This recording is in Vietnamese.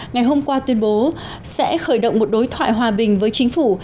ngày hôm qua tuyên bố sẽ khởi động một đối thoại hòa bình với chính phủ